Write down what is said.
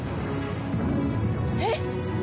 えっ！？